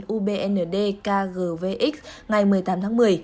ubnd kgvx ngày một mươi tám tháng một mươi